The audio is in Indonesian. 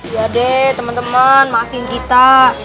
iya deh temen temen maafin kita